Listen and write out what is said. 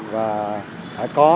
và phải có